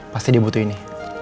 pasti dia butuh ini